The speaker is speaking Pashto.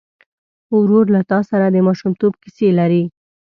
ورور له تا سره د ماشومتوب کیسې لري.